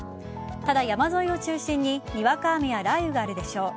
ただ、山沿いを中心ににわか雨や雷雨があるでしょう。